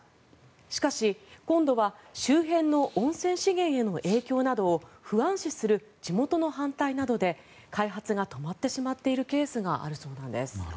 しかし、今度は周辺の温泉資源への影響などを不安視する地元の反対などで開発が止まってしまっているケースがあるそうなんです。